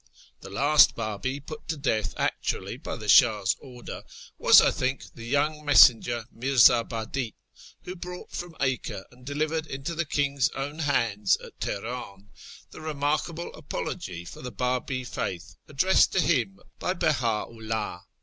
The last Babi put to death actually by the Shah's order was, I think, the young messenger, Mi'rza Badf , who brought from Acre, and delivered into the king's own hands at Telieran, the remarkable apology for the Babi faith addressed to him by Beha'u'lL'ih."